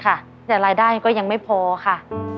๓๕๐บาทอาทิตย์หนึ่งจะ๒วันค่ะแต่รายได้ก็ยังไม่พอค่ะ